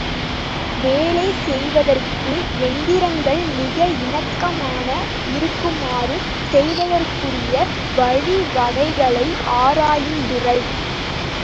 வேலை செய்வதற்கு எந்திரங்கள் மிக இணக்கமாக இருக்குமாறு செய்வதற்குரிய வழிவகைகளை ஆராயுந் துறை.